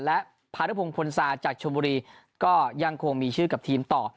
และพานุพงพลศาจากชมบุรีก็ยังคงมีชื่อกับทีมต่อ